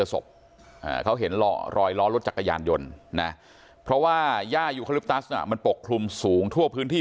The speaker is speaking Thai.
ศพเขาเห็นรอยล้อรถจักรยานยนต์นะเพราะว่าย่ายุคลิปตัสมันปกคลุมสูงทั่วพื้นที่